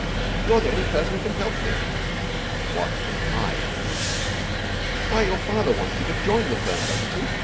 "You're the only person who can help me." "What can I do?" "Why, your father wants you to join the firm, doesn't he?